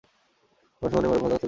মা সমানে বরফে আঘাত করেই যাচ্ছিল।